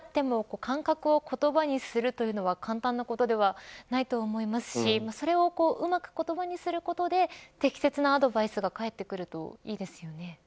自分のことであっても感覚を言葉にするというのは簡単なことではないと思いますしそれをうまく言葉にすることで適切なアドバイスが返ってくるといいですよね。